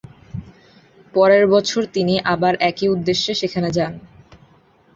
পরের বছর তিনি আবার একই উদ্দেশ্যে সেখানে যান।